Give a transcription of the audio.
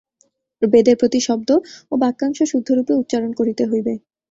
বেদের প্রতি শব্দ ও বাক্যাংশ শুদ্ধরূপে উচ্চারণ করিতে হইবে।